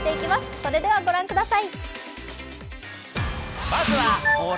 それではご覧ください。